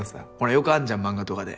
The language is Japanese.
よくあんじゃん漫画とかで。